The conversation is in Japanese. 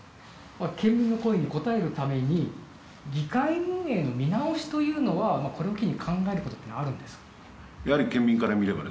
県民の声に応えるために議会運営の見直しというのはこれを機に考えることってのはあるんですか？